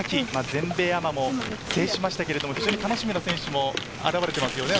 全米アマを制しましたが、楽しみな選手も現れていますね。